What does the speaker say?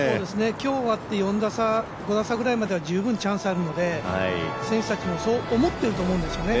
今日、終わって４打差、５打差ぐらいまでは十分チャンスあるので選手たちもそう思ってると思うんですよね。